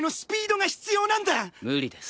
無理です。